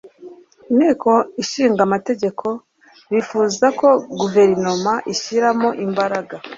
Inteko Ishinga Amategeko bifuza ko guverinoma ishyiramo imbaraga